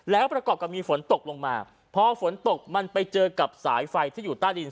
แล้วประกอบกับมีฝนตกลงมาพอฝนตกมันไปเจอกับสายไฟที่อยู่ใต้ดิน